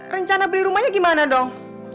rencana beli rumahnya gimana dong